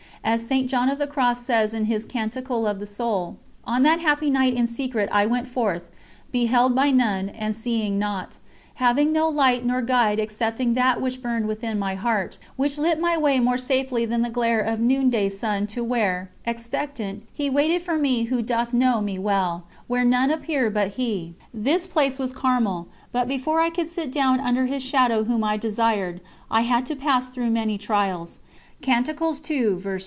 As St. John of the Cross says in his "Canticle of the Soul": On that happy night In secret I went forth, beheld by none, And seeing naught; Having no light nor guide Excepting that which burned within my heart, Which lit my way More safely than the glare of noon day sun To where, expectant, He waited for me Who doth know me well, Where none appeared but He. This place was Carmel, but before I could "sit down under His Shadow Whom I desired," I had to pass through many trials.